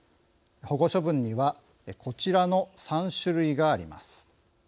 保護処分にはこちらの３種類があります。